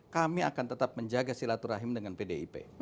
kami akan tetap menjaga silaturahim dengan pdip